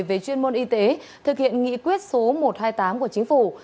về chuyên môn y tế thực hiện nghị quyết số một trăm hai mươi tám của chính phủ